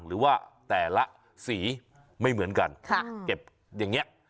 หรือว่าแต่ละสีไม่เหมือนกันเก็บอย่างนี้